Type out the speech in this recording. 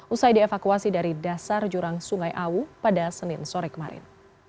usai dievakuasi dari dasar jurang sungai awu pada senin sore kemarin